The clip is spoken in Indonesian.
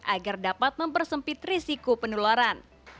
agar dapat mempersempit risiko penularan